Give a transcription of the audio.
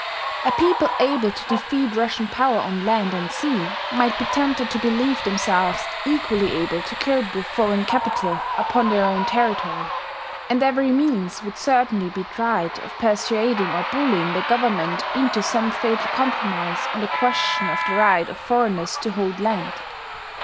A people able to defeat Russian power on land and sea might be tempted to believe themselves equally able to cope with foreign capital upon their own territory; and every means would certainly be tried of persuading or bullying the government into some fatal compromise on the question of the right of foreigners to hold land.